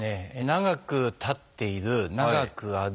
長く立っている長く歩く。